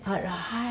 はい。